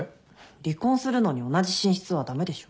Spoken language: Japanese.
離婚するのに同じ寝室は駄目でしょ。